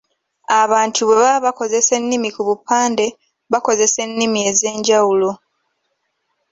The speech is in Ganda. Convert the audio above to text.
Abantu bwebaba bakozesa ennimi ku bupande bakozesa ennimi ez'enjawulo.